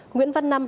nguyễn văn năm